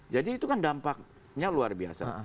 jadi itu kan dampaknya luar biasa